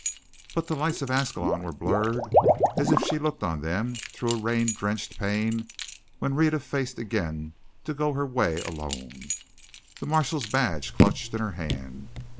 But the lights of Ascalon were blurred as if she looked on them through a rain drenched pane when Rhetta faced again to go her way alone, the marshal's badge clutched in her hand.